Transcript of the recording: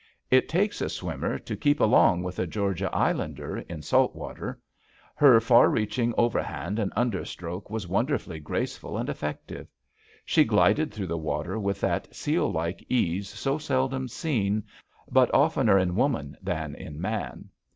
It takes a swimmer to keep along with a Georgia islander in salt water. Her far reaching overhand and under stroke was won derfully graceful and effective. She glided through the water with that seal like ease so seldom seen, but oftener in woman than in man.